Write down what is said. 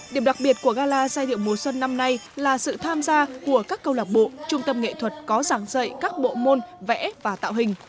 điểm đặc biệt của gala giai điệu mùa xuân năm nay là sự tham gia của các câu lạc bộ trung tâm nghệ thuật có giảng dạy các bộ môn vẽ và tạo hình